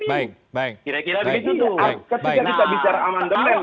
bahkan yang tadinya meminta perpanjangan